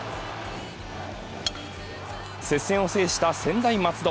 接戦を制した専大松戸。